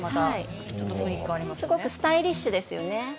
すごく、スタイリッシュですよね